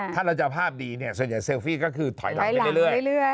ถ้าเราจะภาพดีเนี่ยส่วนใหญ่เซลฟี่ก็คือถอยหลังไปเรื่อย